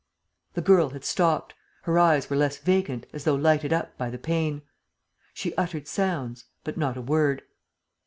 The girl had stopped; her eyes were less vacant, as though lighted up by the pain. She uttered sounds. ... but not a word.